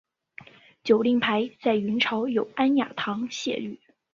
酒令牌在元朝有安雅堂觥律。